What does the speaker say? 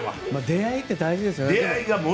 出会いって大事ですよね。